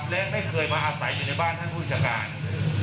และไม่เคยมาอาศัยอยู่ในบ้านท่านผู้จัดการ